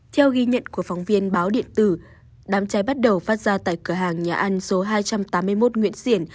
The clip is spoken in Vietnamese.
theo ghi nhận của phóng viên báo điện tử đám cháy bắt đầu phát ra tại cửa hàng nhà ăn số hai trăm tám mươi một nguyễn xiển